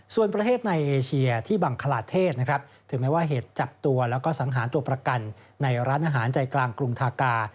ส่วนประเทศในเอเชียที่บังคลาเทศนะครับถึงแม้ว่าเหตุจับตัวแล้วก็สังหารตัวประกันในร้านอาหารใจกลางกรุงทากา